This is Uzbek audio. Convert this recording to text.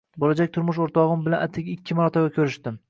Bo`lajak turmush o`rtog`im bilan atigi ikki marotaba ko`rishdim